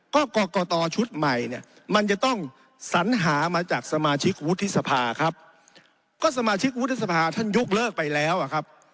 ก็สมาชิกวุฒิสภาท่านยุกต์เลิกไปแล้วครับ